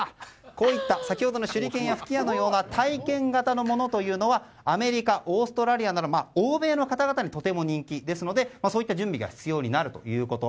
こういった先ほどの手裏剣や吹き矢のような体験型のものはアメリカ、オーストラリアなどの欧米の方々にとても人気ですのでそういった準備が必要になるということ。